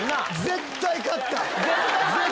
絶対勝った！